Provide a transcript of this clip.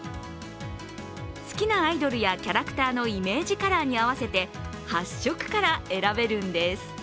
好きなアイドルやキャラクターのイメージカラーに合わせて８色から選べるんです。